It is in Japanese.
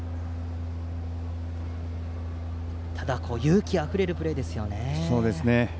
ただ、勇気あふれるプレーでした。